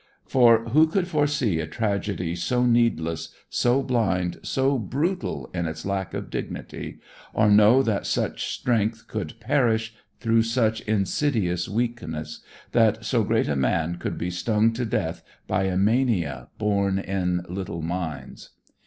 For who could foresee a tragedy so needless, so blind, so brutal in its lack of dignity, or know that such strength could perish through such insidious weakness, that so great a man could be stung to death by a mania born in little minds?